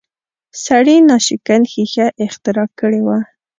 سړي ناشکن ښیښه اختراع کړې وه